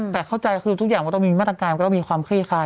แต่เข้าใจคือทุกอย่างมันต้องมีมาตรการก็ต้องมีความคลี่คลาย